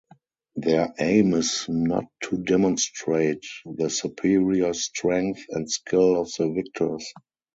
Their aim is not to demonstrate the superior strength and skill of the victors.